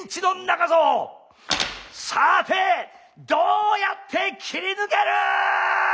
さてどうやって切り抜ける？